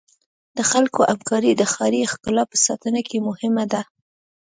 د خلکو همکاري د ښاري ښکلا په ساتنه کې مهمه ده.